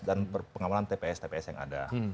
dan pengamanan tps tps yang ada